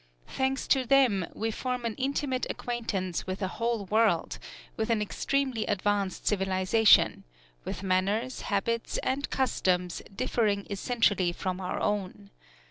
Thanks to them, we form an intimate acquaintance with a whole world, with an extremely advanced civilization, with manners, habits, and customs differing essentially from our own.